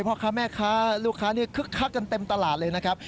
เพราะค่ะลูกค้านี่คึกกันเต้นตลาดเลยนะครับ